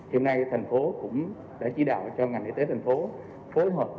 hiện nay thành phố cũng đã chỉ đạo cho ngành y tế thành phố phối hợp